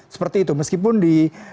seperti itu meskipun di